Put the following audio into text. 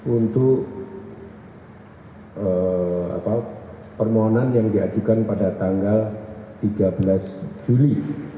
untuk permohonan yang diajukan pada tanggal tiga belas juli dua ribu dua puluh dua